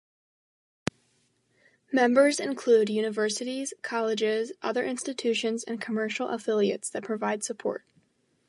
Members include universities, colleges, other institutions and commercial affiliates that provide support.